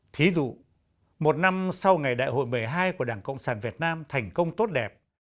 thí dụ một năm sau ngày đại hội một mươi hai của đảng cộng sản việt nam thành công tốt đẹp